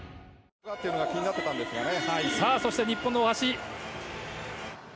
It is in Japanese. そして、日本の大橋。